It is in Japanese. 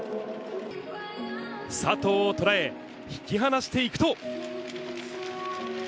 佐藤を捉え、引き離していくと。